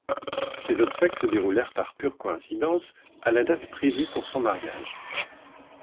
Ses obsèques se déroulèrent, par pure coïncidence, à la date prévue pour son mariage.